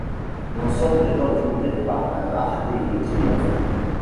L'ensemble est entouré par un arc de triomphe.